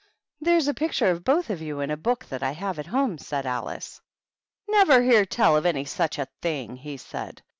" There's a picture of both of you in a book that I have at home," said Alice. " Never hear tell of any such a thing," he said.